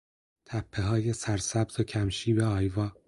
تپههای سرسبز و کم شیب آیوا